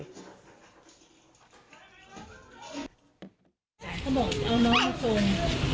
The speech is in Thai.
เขาบอกเอาน้องมาส่ง